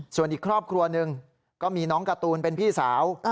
ส่วนอีกครอบครัวหนึ่งก็มีน้องการ์ตูนเป็นพี่สาว